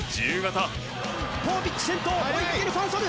ポポビッチ先頭追いかけるファン・ソヌ。